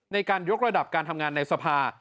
ในการยกระดับการทำงานในสภา